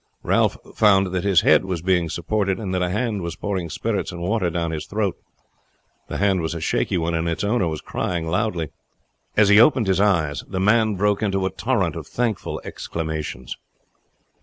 Ralph found that his head was being supported, and that a hand was pouring spirits and water down his throat. The hand was a shaky one, and its owner was crying loudly. As he opened his eyes the man broke into a torrent of thankful exclamations.